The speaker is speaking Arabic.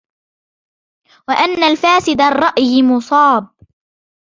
وَأَنَّ الْفَاسِدَ الرَّأْيِ مُصَابٌ